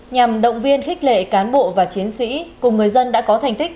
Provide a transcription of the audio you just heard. nhằm động viên khích lệ cán bộ và chiến sĩ cùng người dân đã có thành tích